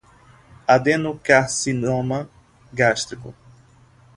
Adenocarcinoma Gástrico